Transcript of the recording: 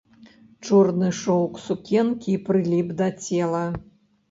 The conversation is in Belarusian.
Чорны шоўк сукенкі прыліп да цела.